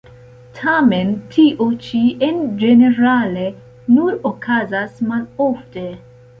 Tamen tio ĉi en ĝenerale nur okazas malofte.